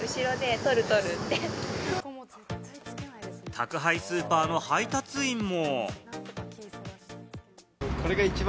宅配スーパーの配達員も。